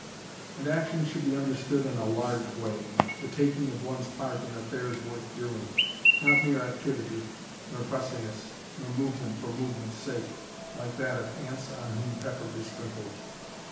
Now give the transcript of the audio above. And action should be understood in a large way, the taking of one's part in affairs worth doing, not mere activity, nor fussiness, nor movement for movement's sake, like that of "ants on whom pepper is sprinkled."